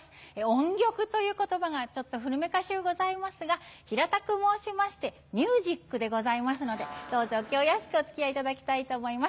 音曲という言葉がちょっと古めかしゅうございますが平たく申しましてミュージックでございますのでどうぞお気をやすくお付き合いいただきたいと思います。